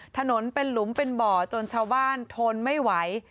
ถนนเป็นหลุมเป็นบ่อจนชาวบ้านทนไม่ไหว